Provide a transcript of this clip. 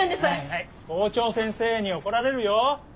はい校長先生に怒られるよ。